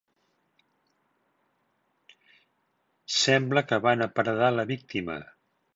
Sembla que van aparedar la víctima.